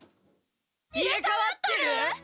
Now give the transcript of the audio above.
入れ替わってる？